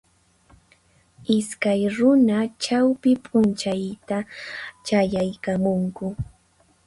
Iskay runa chawpi p'unchayta chayaykamunku